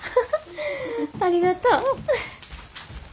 ありがとう。